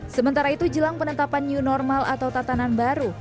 sementara itu jelang penetapan new normal atau tatanan baru